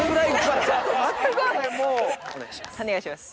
お願いします。